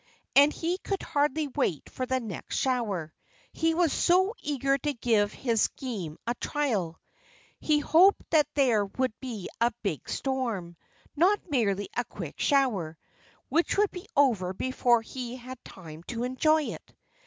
And he could hardly wait for the next shower, he was so eager to give his scheme a trial. He hoped that there would be a big storm not merely a quick shower, which would be over before he had had time to enjoy it.